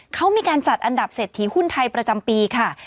เขามีการจัดอันดับเศรษฐีหุ้นไทยประจำปีค่ะ